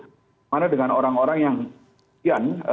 bagaimana dengan orang orang yang kecil dari arah cirebon